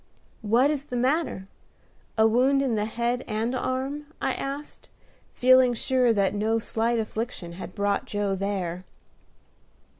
"What is the matter? A wound in the head and arm?" I asked, feeling sure that no slight affliction had brought Joe there.